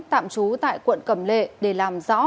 tạm trú tại quận cầm lệ để làm rõ